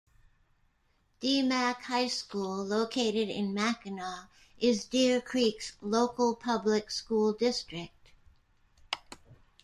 Dee-Mack High school, located in Mackinaw, is Deer Creek's local public school district.